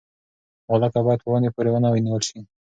غولکه باید په ونې پورې ونه نیول شي.